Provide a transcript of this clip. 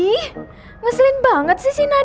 ih ngeselin banget sih si nadif